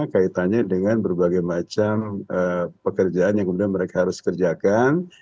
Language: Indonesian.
kaitannya dengan berbagai macam pekerjaan yang kemudian mereka harus kerjakan